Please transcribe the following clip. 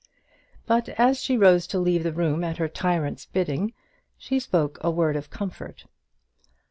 But, as she rose to leave the room at her tyrant's bidding, she spoke a word of comfort.